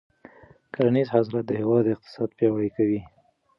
کرنیز حاصلات د هېواد اقتصاد پیاوړی کوي.